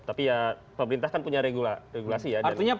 tapi ya pemerintah kan punya regulasi ya